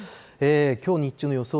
きょう日中の予想